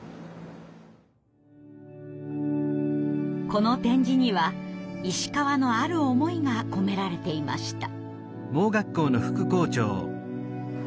この点字には石川のある思いが込められていました。